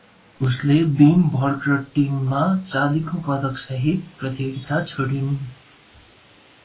She left the competition with silver medals on beam, vault and with the team.